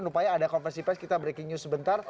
rupanya ada konversi pes kita breaking news sebentar